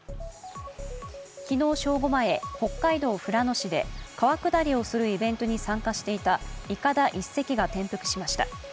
昨日正午前、北海道富良野市で川下りをするイベントに参加していたいかだ１隻が転覆しました。